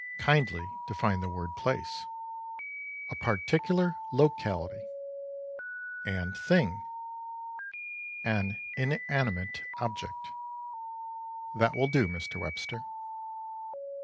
"Kindly define the word 'place'." "A particular locality." "And 'thing'." "An inanimate object." "That will do, Mr. Webster."